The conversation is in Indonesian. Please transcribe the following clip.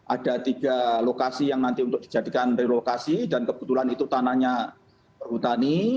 ada tiga lokasi yang nanti untuk dijadikan relokasi dan kebetulan itu tanahnya perhutani